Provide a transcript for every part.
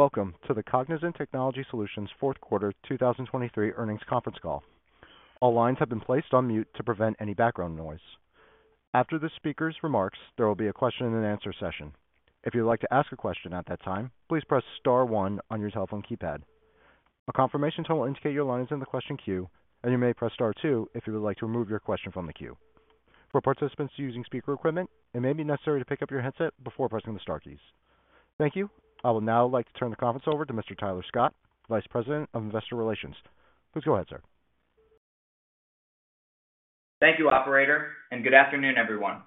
Welcome to the Cognizant Technology Solutions Q4 2023 Earnings Conference Call. All lines have been placed on mute to prevent any background noise. After the speaker's remarks, there will be a question and answer session. If you'd like to ask a question at that time, please press star one on your telephone keypad. A confirmation tone will indicate your line is in the question queue, and you may press star two if you would like to remove your question from the queue. For participants using speaker equipment, it may be necessary to pick up your headset before pressing the star keys. Thank you. I would now like to turn the conference over to Mr. Tyler Scott, Vice President of Investor Relations. Please go ahead, sir. Thank you, Operator, and good afternoon, everyone.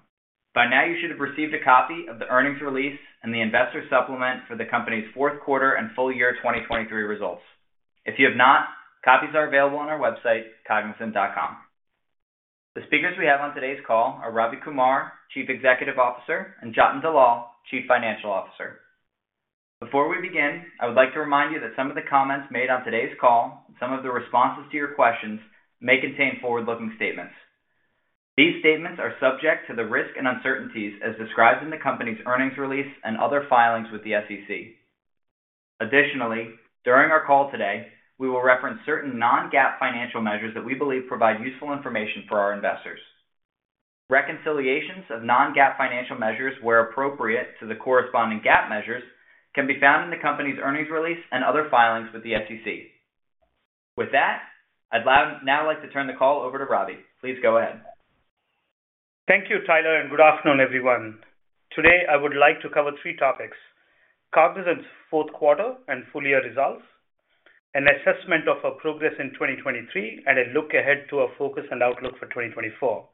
By now, you should have received a copy of the earnings release and the investor supplement for the company's Q4 and full year 2023 results. If you have not, copies are available on our website, cognizant.com. The speakers we have on today's call are Ravi Kumar, Chief Executive Officer, and Jatin Dalal, Chief Financial Officer. Before we begin, I would like to remind you that some of the comments made on today's call and some of the responses to your questions may contain forward-looking statements. These statements are subject to the risks and uncertainties as described in the company's earnings release and other filings with the SEC. Additionally, during our call today, we will reference certain non-GAAP financial measures that we believe provide useful information for our investors. Reconciliations of non-GAAP financial measures, where appropriate to the corresponding GAAP measures, can be found in the company's earnings release and other filings with the SEC. With that, I'd now like to turn the call over to Ravi. Please go ahead. Thank you, Tyler, and good afternoon, everyone. Today, I would like to cover three topics: Cognizant's Q4 and full year results, an assessment of our progress in 2023, and a look ahead to our focus and outlook for 2024.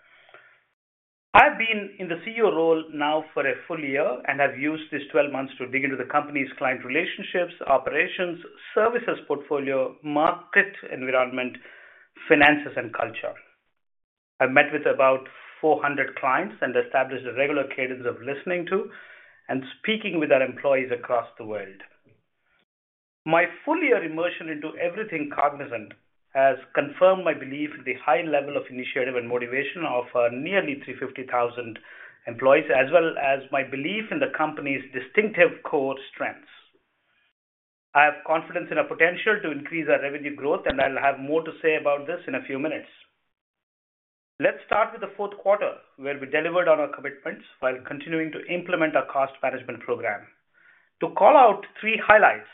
I've been in the CEO role now for a full year and have used these 12 months to dig into the company's client relationships, operations, services, portfolio, market environment, finances, and culture. I've met with about 400 clients and established a regular cadence of listening to and speaking with our employees across the world. My full year immersion into everything Cognizant has confirmed my belief in the high level of initiative and motivation of our nearly 350,000 employees, as well as my belief in the company's distinctive core strengths. I have confidence in our potential to increase our revenue growth, and I'll have more to say about this in a few minutes. Let's start with the Q4, where we delivered on our commitments while continuing to implement our cost management program. To call out three highlights,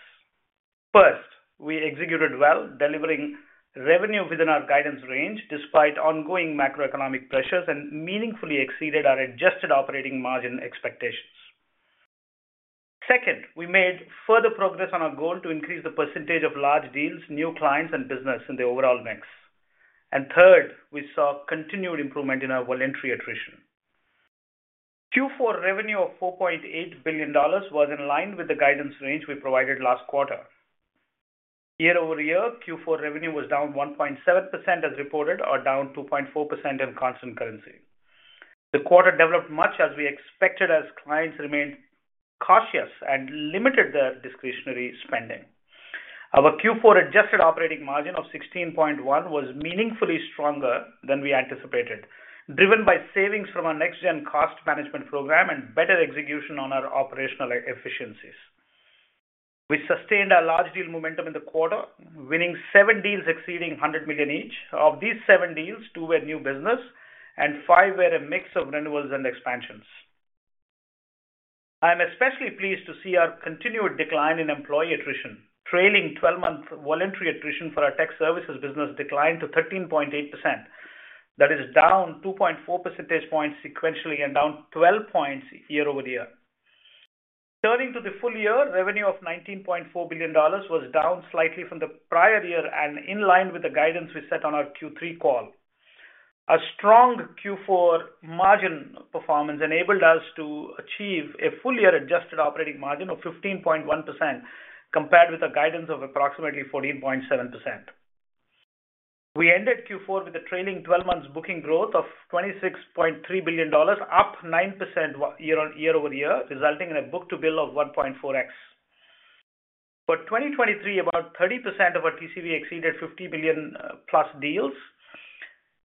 first, we executed well, delivering revenue within our guidance range despite ongoing macroeconomic pressures, and meaningfully exceeded our adjusted operating margin expectations. Second, we made further progress on our goal to increase the percentage of large deals, new clients, and business in the overall mix. And third, we saw continued improvement in our voluntary attrition. Q4 revenue of $4.8 billion was in line with the guidance range we provided last quarter. Year-over-year, Q4 revenue was down 1.7% as reported, or down 2.4% in constant currency. The quarter developed much as we expected as clients remained cautious and limited their discretionary spending. Our Q4 adjusted operating margin of 16.1% was meaningfully stronger than we anticipated, driven by savings from our NextGen cost management program and better execution on our operational efficiencies. We sustained our large deal momentum in the quarter, winning seven deals exceeding $100 million each. Of these seven deals, two were new business and five were a mix of renewals and expansions. I am especially pleased to see our continued decline in employee attrition. Trailing 12-month voluntary attrition for our tech services business declined to 13.8%. That is down 2.4 percentage points sequentially and down 12 points year-over-year. Turning to the full year, revenue of $19.4 billion was down slightly from the prior year and in line with the guidance we set on our Q3 call. A strong Q4 margin performance enabled us to achieve a full year adjusted operating margin of 15.1%, compared with a guidance of approximately 14.7%. We ended Q4 with a trailing twelve months booking growth of $26.3 billion, up 9% year-over-year, resulting in a book-to-bill of 1.4x. For 2023, about 30% of our TCV exceeded $50 billion + deals,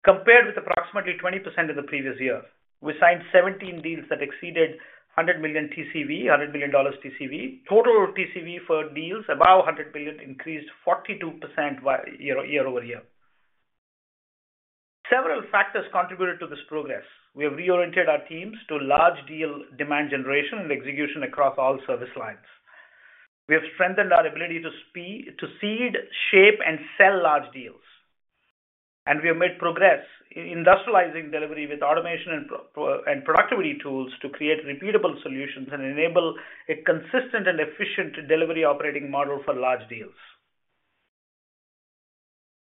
compared with approximately 20% of the previous year. We signed 17 deals that exceeded $100 million TCV, $100 million dollars TCV. Total TCV for deals above $100 billion increased 42% year-over-year. Several factors contributed to this progress. We have reoriented our teams to large deal demand generation and execution across all service lines. We have strengthened our ability to speed, to seed, shape, and sell large deals. We have made progress in industrializing delivery with automation and process- and productivity tools to create repeatable solutions and enable a consistent and efficient delivery operating model for large deals.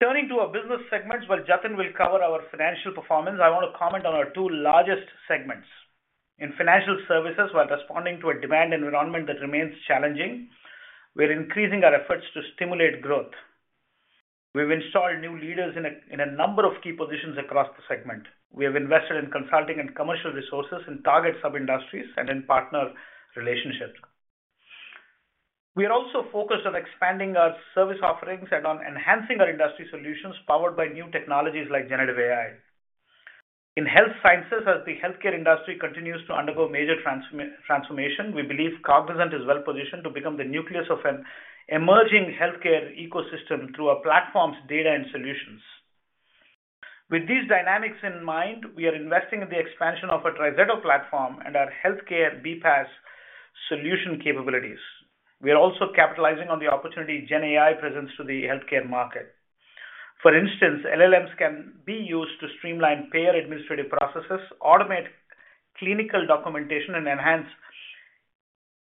Turning to our business segments, while Jatin will cover our financial performance, I want to comment on our two largest segments. In financial services, while responding to a demand environment that remains challenging, we're increasing our efforts to stimulate growth. We've installed new leaders in a number of key positions across the segment. We have invested in consulting and commercial resources in target sub-industries and in partner relationships. We are also focused on expanding our service offerings and on enhancing our industry solutions powered by new technologies like generative AI. In health sciences, as the healthcare industry continues to undergo major transformation, we believe Cognizant is well positioned to become the nucleus of an emerging healthcare ecosystem through our platforms, data, and solutions. With these dynamics in mind, we are investing in the expansion of our TriZetto platform and our healthcare BPaaS solution capabilities. We are also capitalizing on the opportunity GenAI presents to the healthcare market. For instance, LLMs can be used to streamline payer administrative processes, automate clinical documentation, and enhance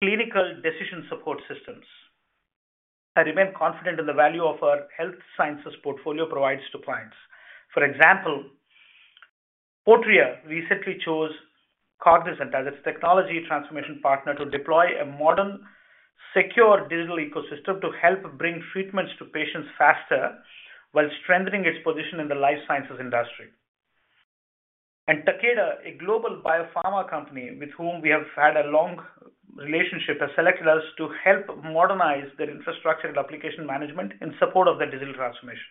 clinical decision support systems. I remain confident in the value of our health sciences portfolio provides to clients. For example, Fortrea recently chose Cognizant as its technology transformation partner to deploy a modern, secure digital ecosystem to help bring treatments to patients faster, while strengthening its position in the life sciences industry. Takeda, a global biopharma company with whom we have had a long relationship, has selected us to help modernize their infrastructure and application management in support of their digital transformation.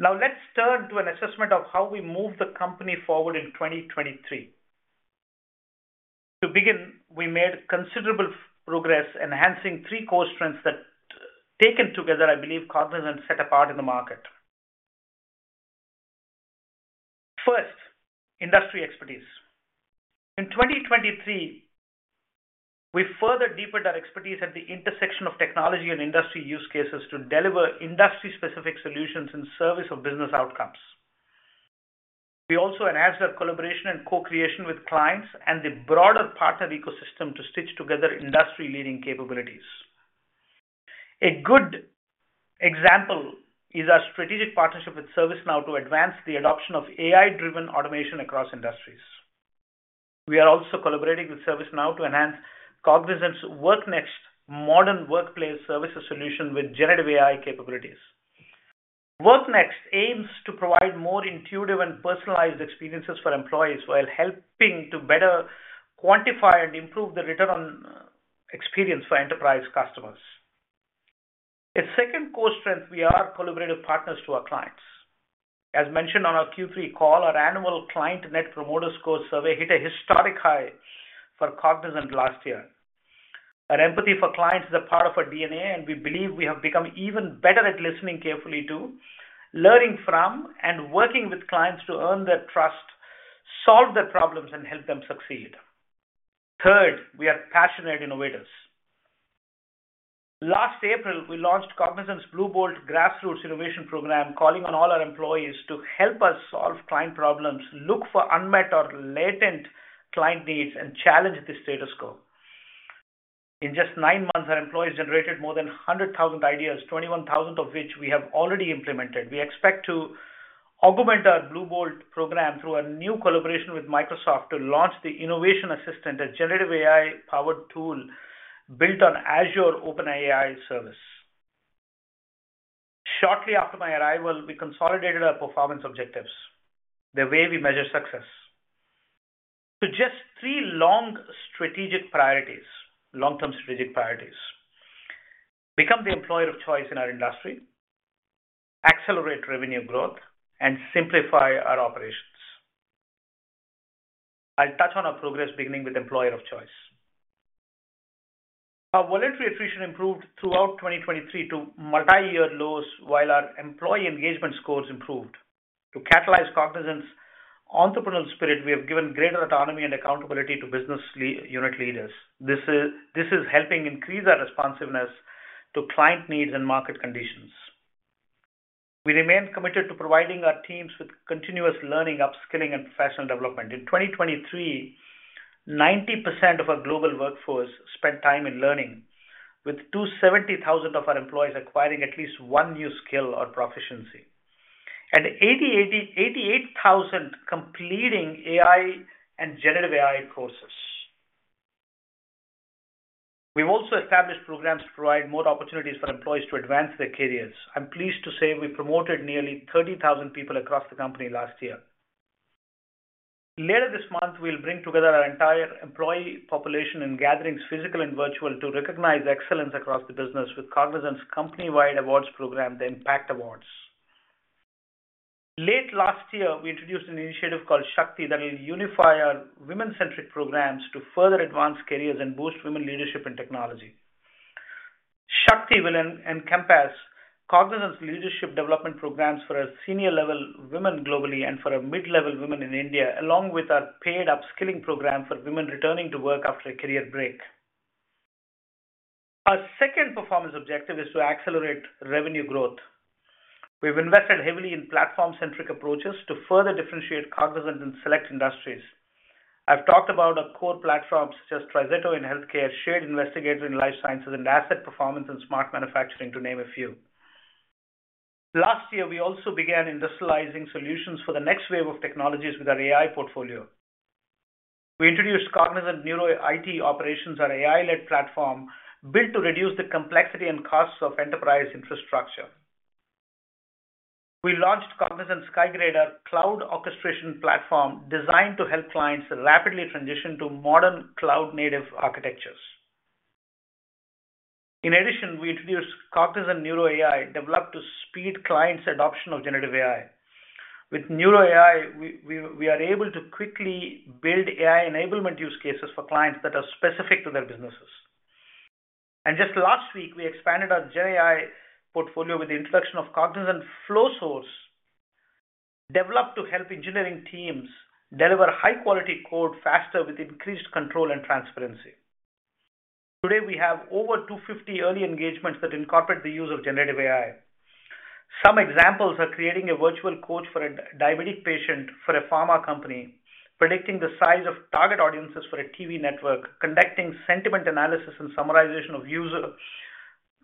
Now, let's turn to an assessment of how we moved the company forward in 2023. To begin, we made considerable progress enhancing three core strengths that, taken together, I believe Cognizant set apart in the market. First, industry expertise. In 2023, we further deepened our expertise at the intersection of technology and industry use cases to deliver industry-specific solutions in service of business outcomes. We also enhanced our collaboration and co-creation with clients and the broader partner ecosystem to stitch together industry-leading capabilities. A good example is our strategic partnership with ServiceNow to advance the adoption of AI-driven automation across industries. We are also collaborating with ServiceNow to enhance Cognizant's WorkNext modern workplace services solution with generative AI capabilities. WorkNext aims to provide more intuitive and personalized experiences for employees while helping to better quantify and improve the return on experience for enterprise customers. A second core strength, we are collaborative partners to our clients. As mentioned on our Q3 call, our annual Client Net Promoter Score survey hit a historic high for Cognizant last year. Our empathy for clients is a part of our DNA, and we believe we have become even better at listening carefully to, learning from, and working with clients to earn their trust, solve their problems, and help them succeed. Third, we are passionate innovators. Last April, we launched Cognizant's Bluebolt grassroots innovation program, calling on all our employees to help us solve client problems, look for unmet or latent client needs, and challenge the status quo. In just nine months, our employees generated more than 100,000 ideas, 21,000 of which we have already implemented. We expect to augment our Bluebolt program through a new collaboration with Microsoft to launch the Innovation Assistant, a generative AI-powered tool built on Azure OpenAI Service. Shortly after my arrival, we consolidated our performance objectives, the way we measure success, to just three long strategic priorities, long-term strategic priorities: Become the employer of choice in our industry, accelerate revenue growth, and simplify our operations. I'll touch on our progress, beginning with employer of choice. Our voluntary attrition improved throughout 2023 to multiyear lows, while our employee engagement scores improved. To catalyze Cognizant's entrepreneurial spirit, we have given greater autonomy and accountability to business unit leaders. This is, this is helping increase our responsiveness to client needs and market conditions. We remain committed to providing our teams with continuous learning, upskilling, and professional development. In 2023, 90% of our global workforce spent time in learning, with 270,000 of our employees acquiring at least one new skill or proficiency, and 88,000 completing AI and generative AI courses. We've also established programs to provide more opportunities for employees to advance their careers. I'm pleased to say we promoted nearly 30,000 people across the company last year. Later this month, we'll bring together our entire employee population in gatherings, physical and virtual, to recognize excellence across the business with Cognizant's company-wide awards program, the Impact Awards. Late last year, we introduced an initiative called Shakti that will unify our women-centric programs to further advance careers and boost women leadership in technology. Shakti will encompass Cognizant's leadership development programs for our senior level women globally and for our mid-level women in India, along with our paid upskilling program for women returning to work after a career break. Our second performance objective is to accelerate revenue growth. We've invested heavily in platform-centric approaches to further differentiate Cognizant in select industries. I've talked about our core platforms, such as TriZetto in healthcare, Shared Investigator in life sciences, and Asset Performance and Smart Manufacturing, to name a few. Last year, we also began industrializing solutions for the next wave of technologies with our AI portfolio. We introduced Cognizant Neuro IT Operations, our AI-led platform, built to reduce the complexity and costs of enterprise infrastructure. We launched Cognizant Skygrade, cloud orchestration platform, designed to help clients rapidly transition to modern cloud-native architectures. In addition, we introduced Cognizant Neuro AI, developed to speed clients' adoption of generative AI. With Neuro AI, we are able to quickly build AI enablement use cases for clients that are specific to their businesses. And just last week, we expanded our Gen AI portfolio with the introduction of Cognizant Flowsource, developed to help engineering teams deliver high-quality code faster with increased control and transparency. Today, we have over 250 early engagements that incorporate the use of generative AI. Some examples are creating a virtual coach for a diabetic patient for a pharma company, predicting the size of target audiences for a TV network, conducting sentiment analysis and summarization of user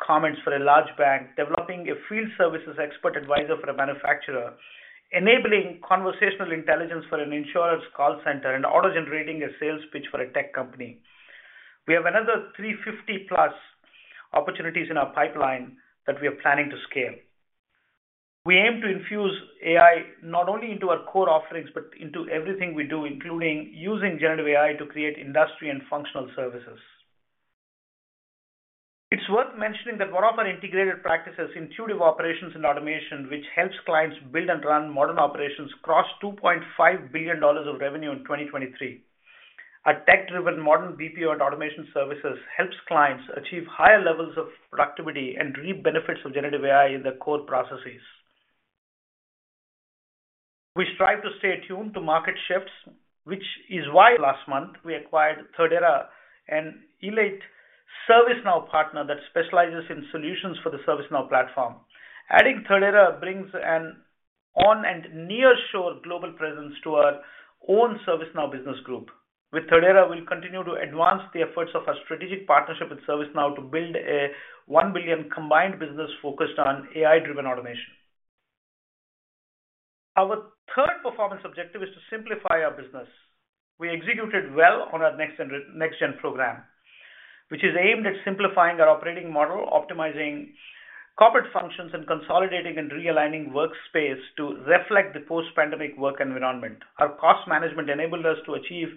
comments for a large bank, developing a field services expert advisor for a manufacturer, enabling conversational intelligence for an insurance call center, and auto-generating a sales pitch for a tech company. We have another 350+ opportunities in our pipeline that we are planning to scale. We aim to infuse AI not only into our core offerings, but into everything we do, including using generative AI to create industry and functional services. It's worth mentioning that one of our integrated practices, Intuitive Operations and Automation, which helps clients build and run modern operations, crossed $2.5 billion of revenue in 2023. Our tech-driven, modern BPO and automation services helps clients achieve higher levels of productivity and reap benefits of generative AI in their core processes. We strive to stay attuned to market shifts, which is why last month we acquired Thirdera, an elite ServiceNow partner that specializes in solutions for the ServiceNow platform. Adding Thirdera brings an onshore and nearshore global presence to our own ServiceNow business group. With Thirdera, we'll continue to advance the efforts of our strategic partnership with ServiceNow to build a $1 billion combined business focused on AI-driven automation. Our third performance objective is to simplify our business. We executed well on our NextGen, NextGen program, which is aimed at simplifying our operating model, optimizing corporate functions, and consolidating and realigning workspace to reflect the post-pandemic work environment. Our cost management enabled us to achieve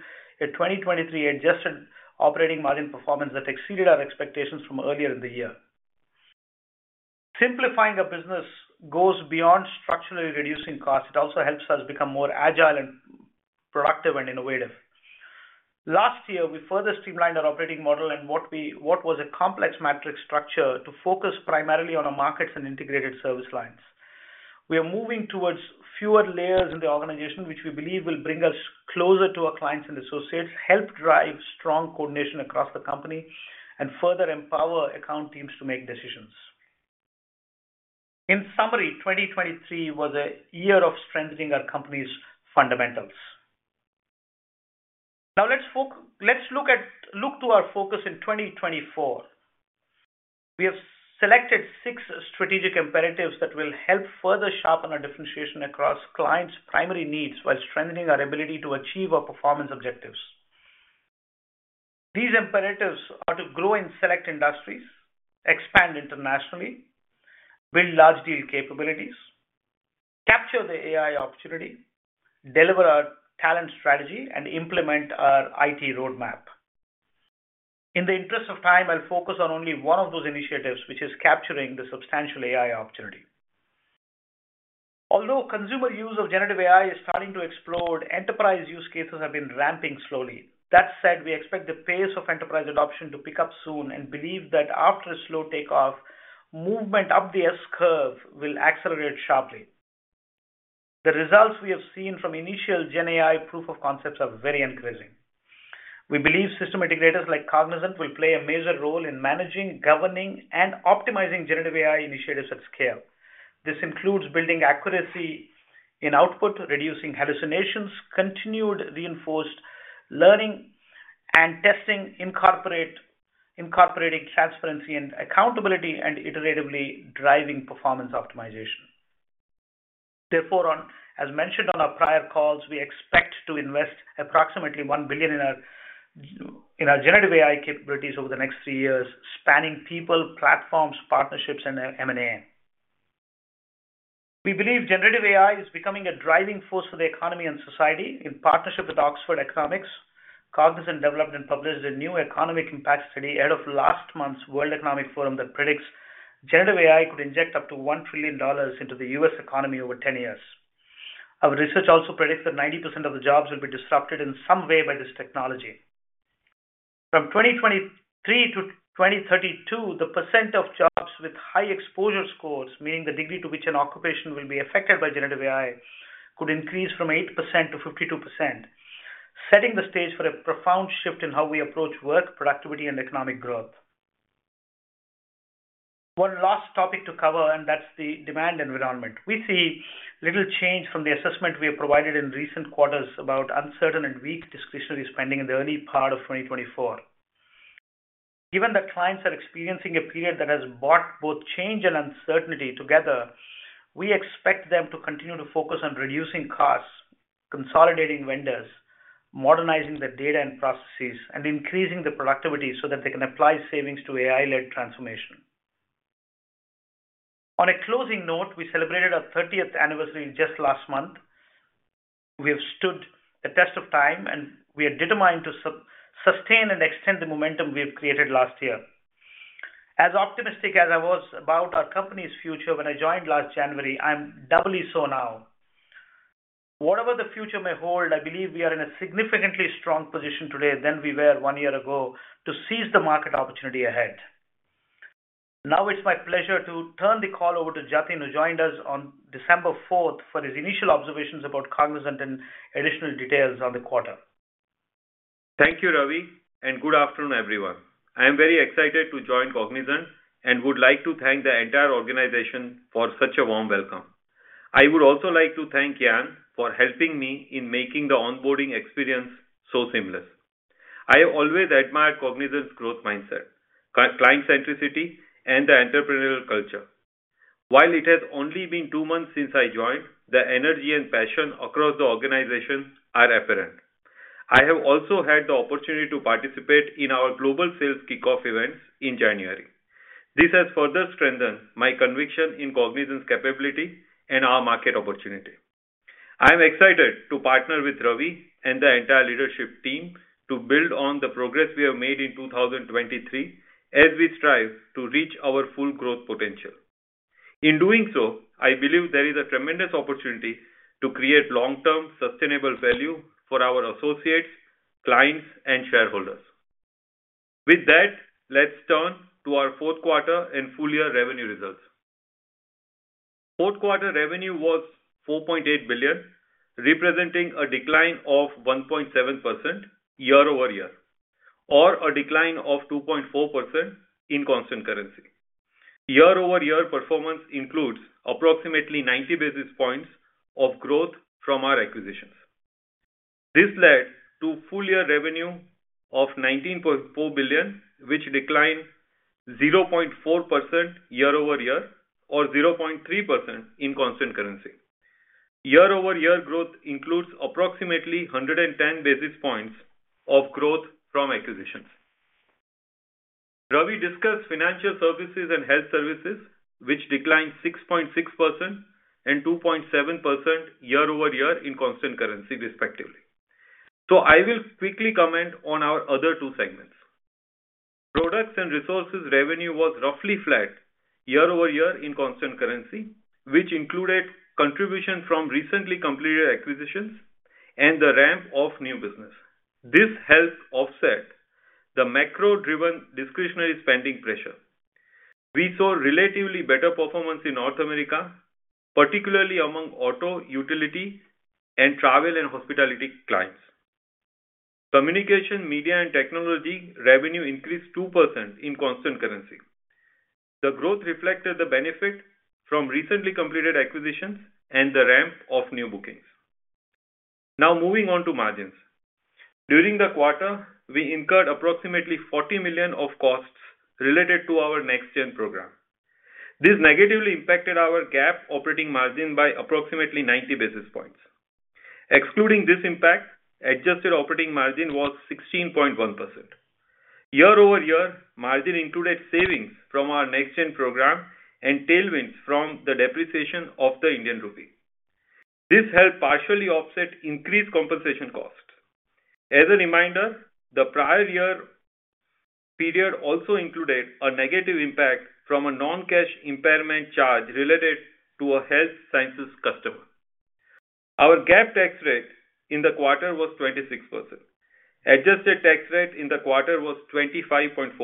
a 2023 adjusted operating margin performance that exceeded our expectations from earlier in the year. Simplifying our business goes beyond structurally reducing costs. It also helps us become more agile and productive and innovative. Last year, we further streamlined our operating model and what was a complex matrix structure to focus primarily on our markets and integrated service lines. We are moving towards fewer layers in the organization, which we believe will bring us closer to our clients and associates, help drive strong coordination across the company, and further empower account teams to make decisions. In summary, 2023 was a year of strengthening our company's fundamentals. Now, let's look to our focus in 2024. We have selected six strategic imperatives that will help further sharpen our differentiation across clients' primary needs, while strengthening our ability to achieve our performance objectives. These imperatives are to grow in select industries, expand internationally, build large deal capabilities, capture the AI opportunity, deliver our talent strategy, and implement our IT roadmap. In the interest of time, I'll focus on only one of those initiatives, which is capturing the substantial AI opportunity. Although consumer use of generative AI is starting to explode, enterprise use cases have been ramping slowly. That said, we expect the pace of enterprise adoption to pick up soon and believe that after a slow takeoff, movement up the S-Curve will accelerate sharply. The results we have seen from initial Gen AI proof of concepts are very encouraging. We believe system integrators like Cognizant will play a major role in managing, governing, and optimizing generative AI initiatives at scale. This includes building accuracy in output, reducing hallucinations, continued reinforced learning and testing, incorporating transparency and accountability, and iteratively driving performance optimization. Therefore, as mentioned on our prior calls, we expect to invest approximately $1 billion in our generative AI capabilities over the next three years, spanning people, platforms, partnerships, and M&A. We believe generative AI is becoming a driving force for the economy and society. In partnership with Oxford Economics, Cognizant developed and published a new economic impact study ahead of last month's World Economic Forum that predicts generative AI could inject up to $1 trillion into the U.S. economy over 10 years. Our research also predicts that 90% of the jobs will be disrupted in some way by this technology. From 2023 to 2032, the percent of jobs with high exposure scores, meaning the degree to which an occupation will be affected by generative AI, could increase from 8%-52%, setting the stage for a profound shift in how we approach work, productivity, and economic growth. One last topic to cover, and that's the demand environment. We see little change from the assessment we have provided in recent quarters about uncertain and weak discretionary spending in the early part of 2024. Given that clients are experiencing a period that has brought both change and uncertainty together, we expect them to continue to focus on reducing costs, consolidating vendors, modernizing their data and processes, and increasing the productivity so that they can apply savings to AI led transformation. On a closing note, we celebrated our 30th anniversary just last month. We have stood the test of time, and we are determined to sustain and extend the momentum we have created last year. As optimistic as I was about our company's future when I joined last January, I'm doubly so now. Whatever the future may hold, I believe we are in a significantly strong position today than we were one year ago, to seize the market opportunity ahead. Now it's my pleasure to turn the call over to Jatin, who joined us on December fourth, for his initial observations about Cognizant and additional details on the quarter. Thank you, Ravi, and good afternoon, everyone. I am very excited to join Cognizant and would like to thank the entire organization for such a warm welcome. I would also like to thank Jan for helping me in making the onboarding experience so seamless. I always admired Cognizant's growth mindset, client centricity, and the entrepreneurial culture. While it has only been two months since I joined, the energy and passion across the organization are apparent. I have also had the opportunity to participate in our global sales kickoff events in January. This has further strengthened my conviction in Cognizant's capability and our market opportunity. I am excited to partner with Ravi and the entire leadership team to build on the progress we have made in 2023, as we strive to reach our full growth potential. In doing so, I believe there is a tremendous opportunity to create long-term, sustainable value for our associates, clients, and shareholders. With that, let's turn to our Q4 and full-year revenue results. Q4 revenue was $4.8 billion, representing a decline of 1.7% year-over-year, or a decline of 2.4% in constant currency. Year-over-year performance includes approximately 90 basis points of growth from our acquisitions. This led to full-year revenue of $19.4 billion, which declined 0.4% year-over-year, or 0.3% in constant currency. Year-over-year growth includes approximately 110 basis points of growth from acquisitions. Ravi discussed financial services and health services, which declined 6.6% and 2.7% year-over-year in constant currency, respectively. So I will quickly comment on our other two segments. Products and resources revenue was roughly flat year-over-year in constant currency, which included contribution from recently completed acquisitions and the ramp of new business. This helped offset the macro-driven discretionary spending pressure. We saw relatively better performance in North America, particularly among auto, utility, and travel and hospitality clients. Communication, media, and technology revenue increased 2% in constant currency. The growth reflected the benefit from recently completed acquisitions and the ramp of new bookings. Now moving on to margins. During the quarter, we incurred approximately $40 million of costs related to our NextGen program. This negatively impacted our GAAP operating margin by approximately 90 basis points. Excluding this impact, adjusted operating margin was 16.1%. Year-over-year, margin included savings from our NextGen program and tailwinds from the depreciation of the Indian rupee. This helped partially offset increased compensation costs. As a reminder, the prior year period also included a negative impact from a non-cash impairment charge related to a health sciences customer. Our GAAP tax rate in the quarter was 26%. Adjusted tax rate in the quarter was 25.4%.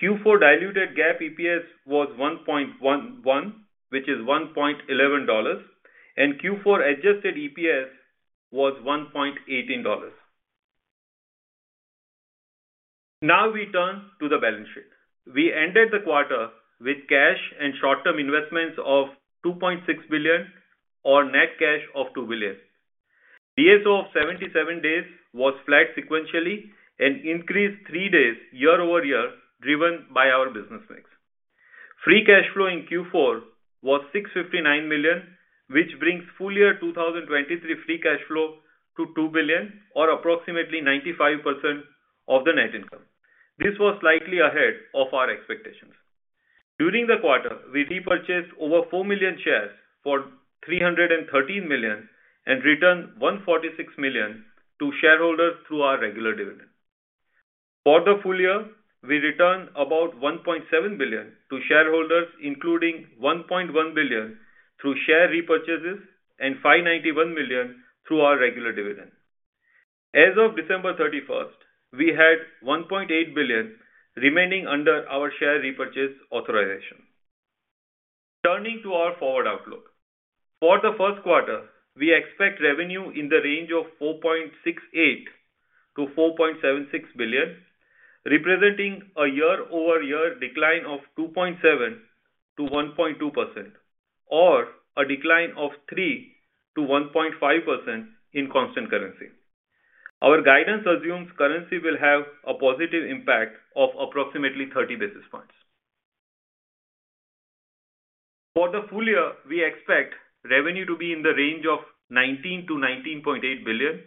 Q4 diluted GAAP EPS was 1.11, which is $1.11, and Q4 adjusted EPS was $1.18. Now we turn to the balance sheet. We ended the quarter with cash and short-term investments of $2.6 billion, or net cash of $2 billion. DSO of 77 days was flat sequentially and increased three days year over year, driven by our business mix. Free cash flow in Q4 was $659 million, which brings full year 2023 free cash flow to $2 billion, or approximately 95% of the net income. This was slightly ahead of our expectations. During the quarter, we repurchased over four million shares for $313 million and returned $146 million to shareholders through our regular dividend. For the full year, we returned about $1.7 billion to shareholders, including $1.1 billion through share repurchases and $591 million through our regular dividend. As of December 31, we had $1.8 billion remaining under our share repurchase authorization. Turning to our forward outlook. For the Q1, we expect revenue in the range of $4.68 billion-$4.76 billion, representing a year-over-year decline of 2.7%-1.2%, or a decline of 3%-1.5% in constant currency. Our guidance assumes currency will have a positive impact of approximately 30 basis points. For the full year, we expect revenue to be in the range of $19 billion-$19.8 billion...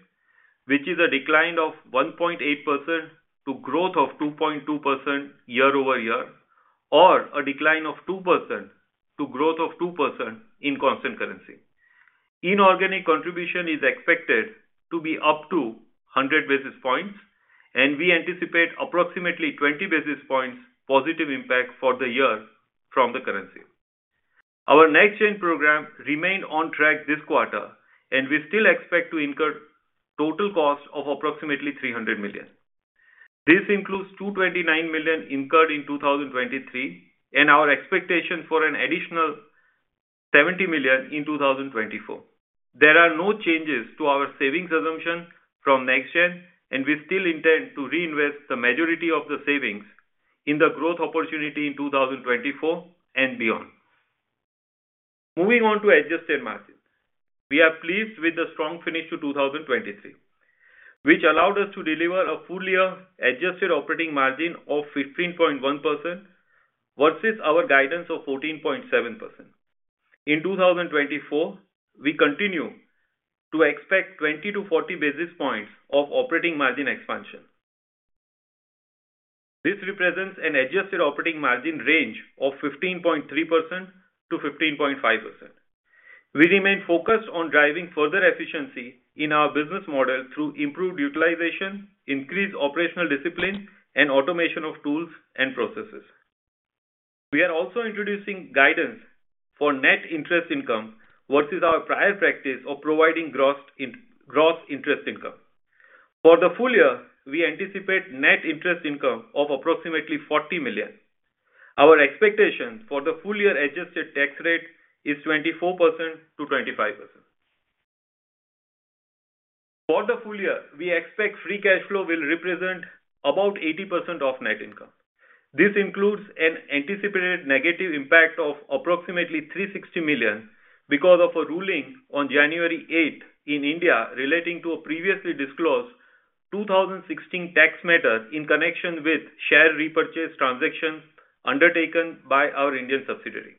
which is a decline of 1.8% to growth of 2.2% year-over-year, or a decline of 2% to growth of 2% in constant currency. Inorganic contribution is expected to be up to 100 basis points, and we anticipate approximately 20 basis points positive impact for the year from the currency. Our NextGen program remained on track this quarter, and we still expect to incur total cost of approximately $300 million. This includes $229 million incurred in 2023, and our expectation for an additional $70 million in 2024. There are no changes to our savings assumption from NextGen, and we still intend to reinvest the majority of the savings in the growth opportunity in 2024 and beyond. Moving on to adjusted margins. We are pleased with the strong finish to 2023, which allowed us to deliver a full year adjusted operating margin of 15.1% versus our guidance of 14.7%. In 2024, we continue to expect 20-40 basis points of operating margin expansion. This represents an adjusted operating margin range of 15.3%-15.5%. We remain focused on driving further efficiency in our business model through improved utilization, increased operational discipline, and automation of tools and processes. We are also introducing guidance for net interest income versus our prior practice of providing gross interest income. For the full year, we anticipate net interest income of approximately $40 million. Our expectation for the full year adjusted tax rate is 24%-25%. For the full year, we expect free cash flow will represent about 80% of net income. This includes an anticipated negative impact of approximately $360 million because of a ruling on January 8 in India, relating to a previously disclosed 2016 tax matter in connection with share repurchase transactions undertaken by our Indian subsidiary.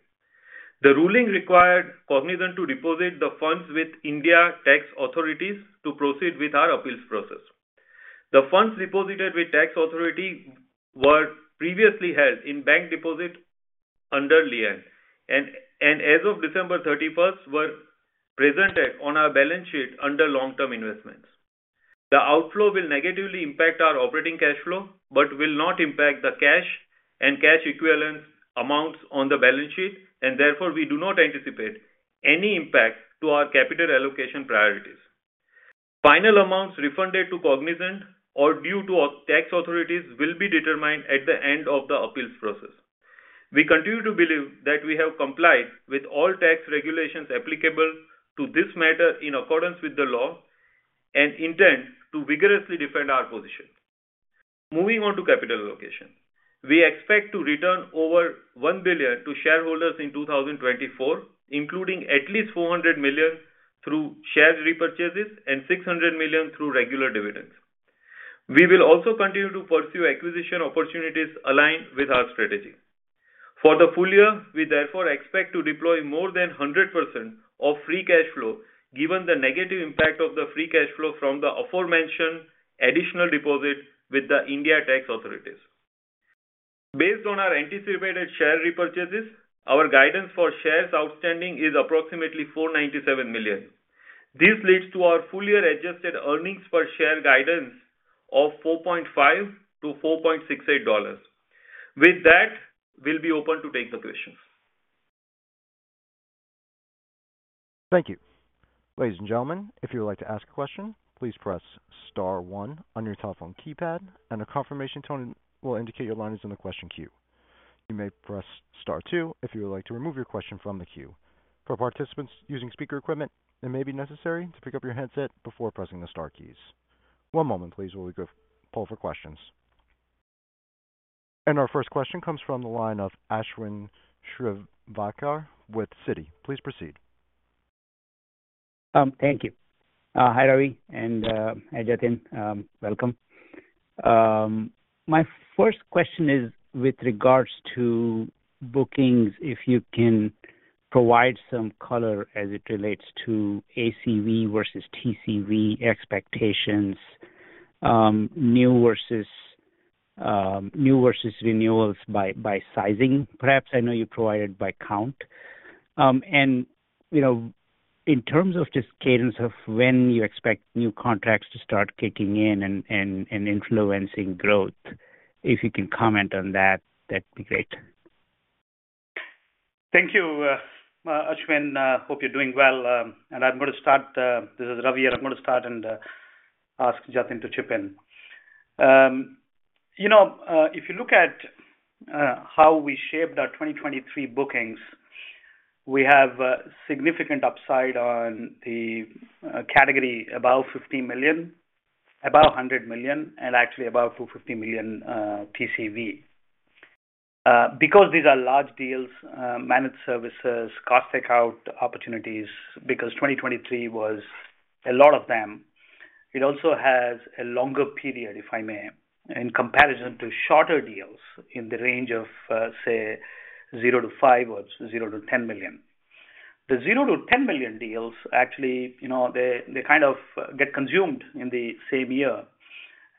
The ruling required Cognizant to deposit the funds with India tax authorities to proceed with our appeals process. The funds deposited with tax authority were previously held in bank deposit under lien, and as of December 31st, were presented on our balance sheet under long-term investments. The outflow will negatively impact our operating cash flow, but will not impact the cash and cash equivalent amounts on the balance sheet, and therefore, we do not anticipate any impact to our capital allocation priorities. Final amounts refunded to Cognizant or due to our tax authorities will be determined at the end of the appeals process. We continue to believe that we have complied with all tax regulations applicable to this matter in accordance with the law and intend to vigorously defend our position. Moving on to capital allocation. We expect to return over $1 billion to shareholders in 2024, including at least $400 million through share repurchases and $600 million through regular dividends. We will also continue to pursue acquisition opportunities aligned with our strategy. For the full year, we therefore expect to deploy more than 100% of free cash flow, given the negative impact of the free cash flow from the aforementioned additional deposit with the India tax authorities. Based on our anticipated share repurchases, our guidance for shares outstanding is approximately 497 million. This leads to our full year adjusted earnings per share guidance of $4.5-$4.68. With that, we'll be open to take the questions. Thank you. Ladies and gentlemen, if you would like to ask a question, please press star one on your telephone keypad, and a confirmation tone will indicate your line is in the question queue. You may press star two if you would like to remove your question from the queue. For participants using speaker equipment, it may be necessary to pick up your headset before pressing the star keys. One moment, please, while we go pull for questions. Our first question comes from the line of Ashwin Shirvaikar with Citi. Please proceed. Thank you. Hi, Ravi, and hi, Jatin. Welcome. My first question is with regards to bookings, if you can provide some color as it relates to ACV versus TCV expectations, new versus renewals by sizing, perhaps I know you provide it by count. And, you know, in terms of just cadence of when you expect new contracts to start kicking in and influencing growth, if you can comment on that, that'd be great. Thank you, Ashwin, hope you're doing well. I'm gonna start. This is Ravi, and I'm gonna start and ask Jatin to chip in. You know, if you look at how we shaped our 2023 bookings, we have significant upside on the category above $50 million, above $100 million, and actually above $250 million TCV. Because these are large deals, managed services, cost take-out opportunities, because 2023 was a lot of them, it also has a longer period, if I may, in comparison to shorter deals in the range of, say, $0-$5 million or $0-$10 million. The $0-$10 million deals, actually, you know, they, they kind of get consumed in the same year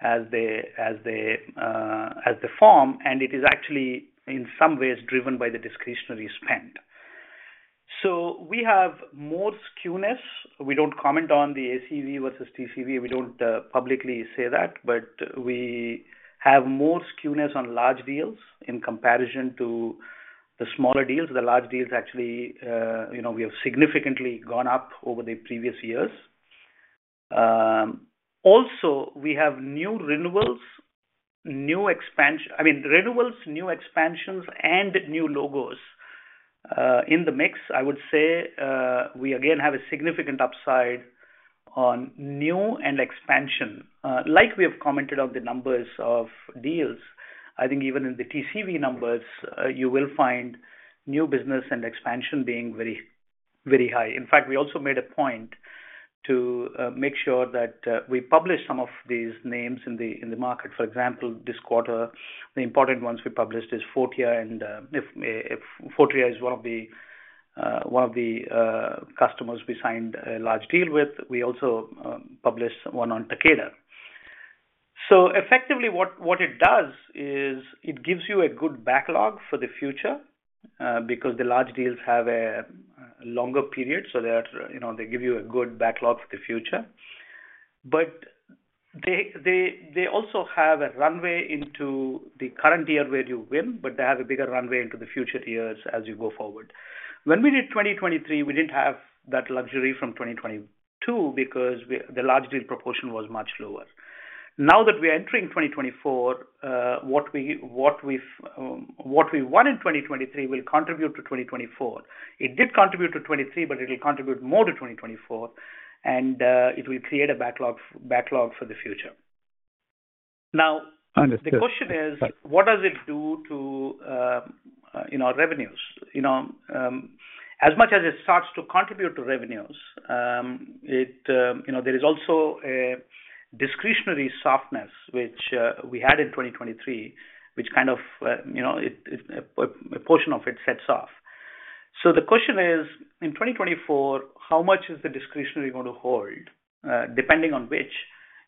as they, as they form, and it is actually, in some ways, driven by the discretionary spend. So we have more skewness. We don't comment on the ACV versus TCV. We don't publicly say that, but we have more skewness on large deals in comparison to the smaller deals. The large deals, actually, you know, we have significantly gone up over the previous years. Also, we have new renewals, new expansion—I mean, renewals, new expansions, and new logos. In the mix, I would say, we again have a significant upside on new and expansion. Like we have commented on the numbers of deals, I think even in the TCV numbers, you will find new business and expansion being very, very high. In fact, we also made a point to make sure that we publish some of these names in the market. For example, this quarter, the important ones we published is Fortive, and if Fortive is one of the customers we signed a large deal with. We also published one on Takeda. So effectively, what it does is it gives you a good backlog for the future, because the large deals have a longer period, so they are, you know, they give you a good backlog for the future. But they also have a runway into the current year where you win, but they have a bigger runway into the future years as you go forward. When we did 2023, we didn't have that luxury from 2022 because the large deal proportion was much lower. Now that we are entering 2024, what we've won in 2023 will contribute to 2024. It did contribute to 2023, but it will contribute more to 2024, and it will create a backlog for the future. Now- Understood. The question is, what does it do to, you know, revenues? You know, as much as it starts to contribute to revenues, it, you know, there is also a discretionary softness, which we had in 2023, which kind of, you know, it, a portion of it sets off. So the question is, in 2024, how much is the discretionary going to hold? Depending on which,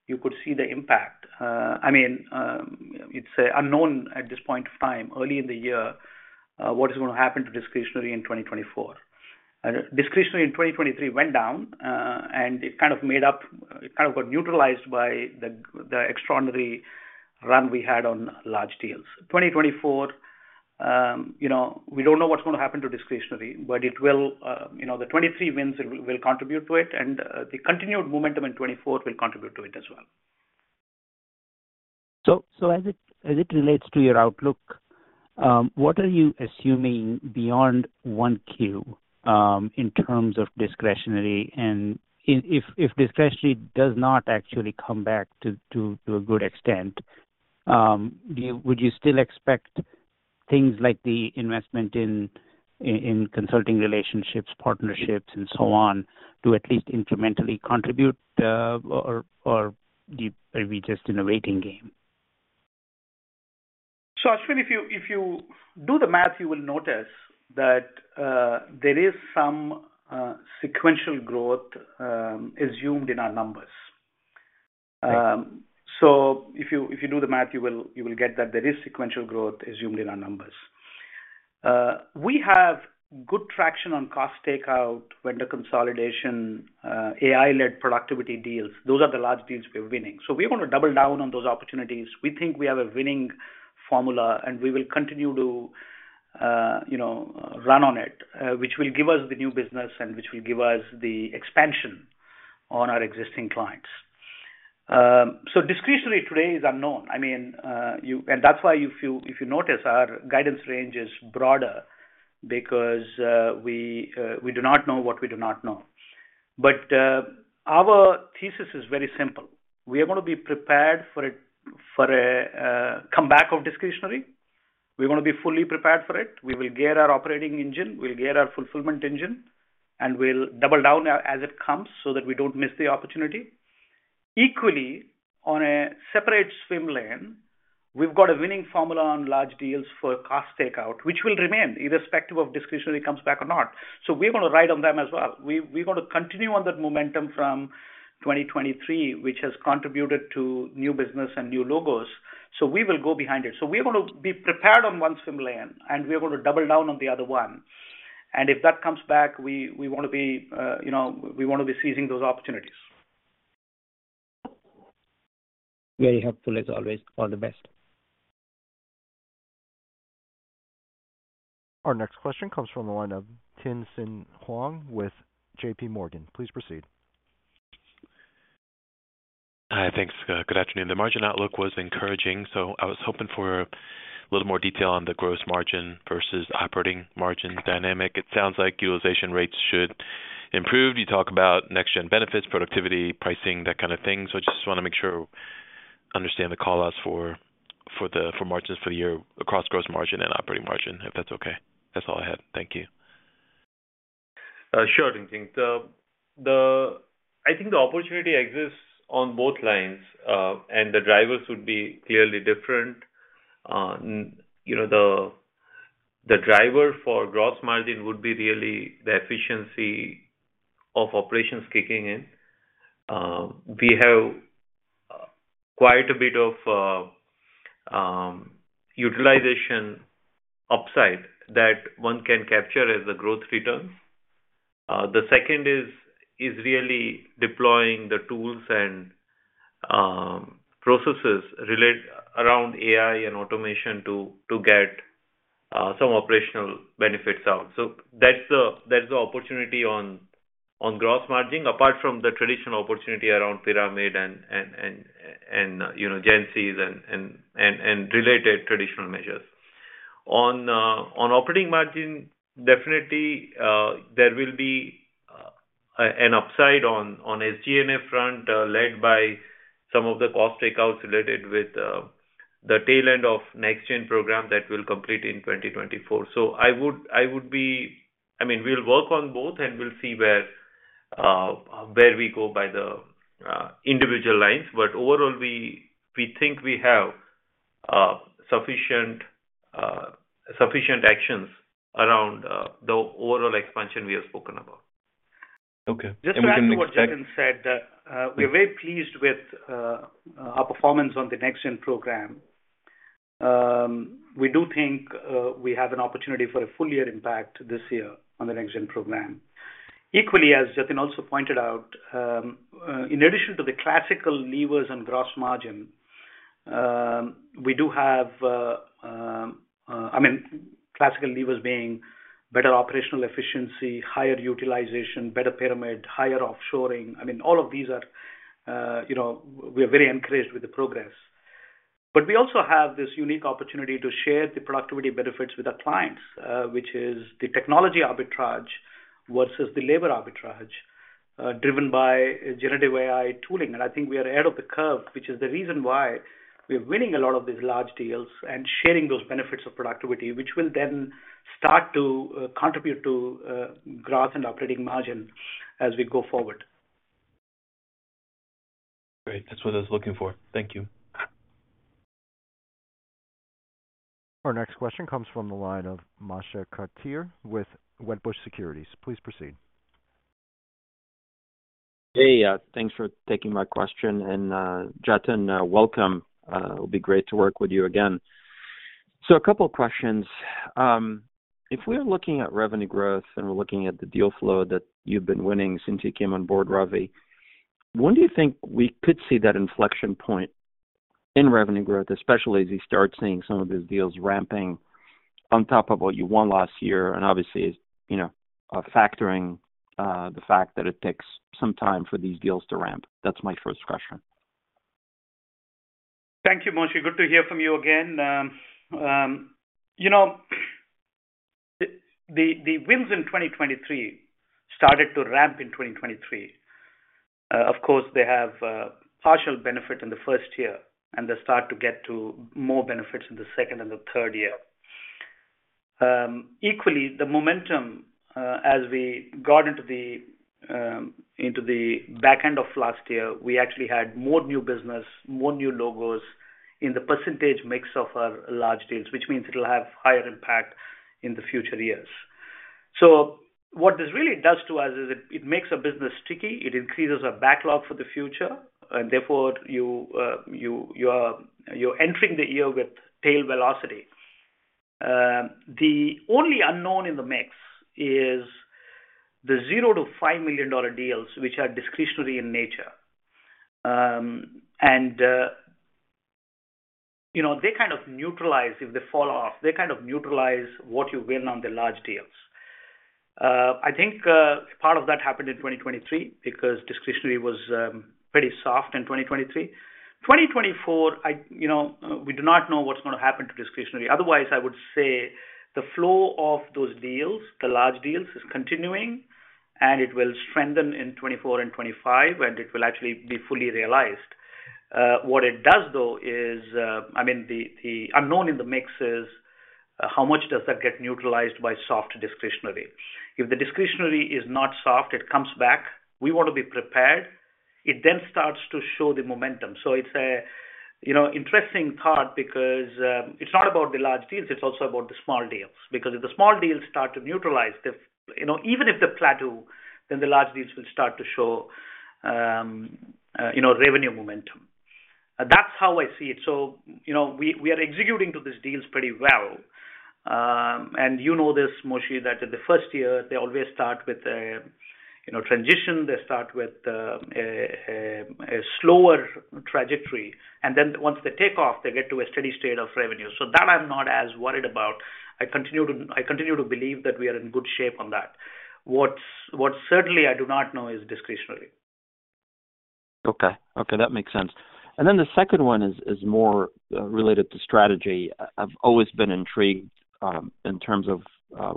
you could see the impact. I mean, it's unknown at this point of time, early in the year, what is going to happen to discretionary in 2024. Discretionary in 2023 went down, and it kind of made up, it kind of got neutralized by the extraordinary run we had on large deals. 2024, you know, we don't know what's going to happen to discretionary, but it will, you know, the 2023 wins will, will contribute to it, and, the continued momentum in 2024 will contribute to it as well. So, as it relates to your outlook, what are you assuming beyond 1Q in terms of discretionary? And if discretionary does not actually come back to a good extent, would you still expect things like the investment in consulting relationships, partnerships, and so on, to at least incrementally contribute, or are we just in a waiting game? So Ashwin, if you, if you do the math, you will notice that there is some sequential growth assumed in our numbers. So if you, if you do the math, you will, you will get that there is sequential growth assumed in our numbers. We have good traction on cost takeout, vendor consolidation, AI-led productivity deals. Those are the large deals we're winning. So we want to double down on those opportunities. We think we have a winning formula, and we will continue to, you know, run on it, which will give us the new business and which will give us the expansion on our existing clients. So discretionary today is unknown. I mean, you-- and that's why if you, if you notice, our guidance range is broader because, we, we do not know what we do not know. But, our thesis is very simple. We want to be prepared for a, for a, comeback of discretionary. We want to be fully prepared for it. We will gear our operating engine, we'll gear our fulfillment engine, and we'll double down as it comes so that we don't miss the opportunity. Equally, on a separate swim lane, we've got a winning formula on large deals for cost takeout, which will remain irrespective of discretionary comes back or not. So we want to ride on them as well. We, we want to continue on that momentum from 2023, which has contributed to new business and new logos. So we will go behind it. So we want to be prepared on one swim lane, and we want to double down on the other one. If that comes back, we want to be, you know, we want to be seizing those opportunities. Very helpful, as always. All the best. Our next question comes from the line of Tien-Tsin Huang with JPMorgan. Please proceed. Hi, thanks. Good afternoon. The margin outlook was encouraging, so I was hoping for a little more detail on the gross margin versus operating margin dynamic. It sounds like utilization rates should improve. You talk about next-gen benefits, productivity, pricing, that kind of thing. So I just want to make sure I understand the call-outs for margins for the year across gross margin and operating margin, if that's okay. That's all I had. Thank you. Sure, Tien-Tsin. I think the opportunity exists on both lines, and the drivers would be clearly different. You know, the driver for gross margin would be really the efficiency of operations kicking in. We have quite a bit of utilization upside that one can capture as the growth returns. The second is really deploying the tools and processes around AI and automation to get some operational benefits out. So that's the opportunity on gross margin, apart from the traditional opportunity around pyramid and, you know, gensies and related traditional measures. On operating margin, definitely, there will be an upside on SG&A front, led by some of the cost takeouts related with the tail end of NextGen program that will complete in 2024. So I would, I would be. I mean, we'll work on both, and we'll see where we go by the individual lines. But overall, we think we have sufficient sufficient actions around the overall expansion we have spoken about. Okay. Just to add to what Jatin said, we're very pleased with our performance on the NextGen program. We do think we have an opportunity for a full year impact this year on the NextGen program. Equally, as Jatin also pointed out, in addition to the classical levers and gross margin, we do have, I mean, classical levers being better operational efficiency, higher utilization, better pyramid, higher offshoring. I mean, all of these are, you know, we are very encouraged with the progress. But we also have this unique opportunity to share the productivity benefits with our clients, which is the technology arbitrage versus the labor arbitrage, driven by generative AI tooling. I think we are ahead of the curve, which is the reason why we are winning a lot of these large deals and sharing those benefits of productivity, which will then start to contribute to growth and operating margin as we go forward. Great. That's what I was looking for. Thank you. Our next question comes from the line of Moshe Katri with Wedbush Securities. Please proceed. Hey, thanks for taking my question, and, Jatin, welcome. It'll be great to work with you again. So a couple of questions. If we're looking at revenue growth, and we're looking at the deal flow that you've been winning since you came on board, Ravi, when do you think we could see that inflection point in revenue growth, especially as you start seeing some of those deals ramping on top of what you won last year, and obviously, you know, factoring, the fact that it takes some time for these deals to ramp? That's my first question. Thank you, Moshe. Good to hear from you again. You know, the wins in 2023 started to ramp in 2023. Of course, they have partial benefit in the first year, and they start to get to more benefits in the second and the third year. Equally, the momentum as we got into the back end of last year, we actually had more new business, more new logos in the percentage mix of our large deals, which means it'll have higher impact in the future years. So what this really does to us is it makes our business sticky, it increases our backlog for the future, and therefore, you are entering the year with tail velocity. The only unknown in the mix is the 0-$5 million deals, which are discretionary in nature. And, you know, they kind of neutralize if they fall off. They kind of neutralize what you win on the large deals. I think, part of that happened in 2023 because discretionary was pretty soft in 2023. 2024, I-- you know, we do not know what's gonna happen to discretionary. Otherwise, I would say the flow of those deals, the large deals, is continuing, and it will strengthen in 2024 and 2025, and it will actually be fully realized. What it does, though, is, I mean, the unknown in the mix is, how much does that get neutralized by soft discretionary? If the discretionary is not soft, it comes back. We want to be prepared. It then starts to show the momentum. So it's a, you know, interesting thought because, it's not about the large deals, it's also about the small deals. Because if the small deals start to neutralize the... You know, even if they plateau, then the large deals will start to show, you know, revenue momentum. That's how I see it. So, you know, we are executing to these deals pretty well. And you know this, Moshe, that in the first year, they always start with a, you know, transition, they start with, a slower trajectory, and then once they take off, they get to a steady state of revenue. So that I'm not as worried about. I continue to believe that we are in good shape on that. What certainly I do not know is discretionary. Okay. Okay, that makes sense. And then the second one is more related to strategy. I've always been intrigued in terms of